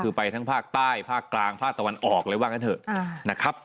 คือไปทั้งภาคใต้ภาคกลางภาคตะวันออกเลยว่างั้นเถอะนะครับ